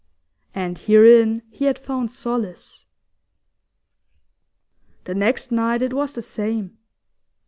And herein he had found solace. The next night it was the same.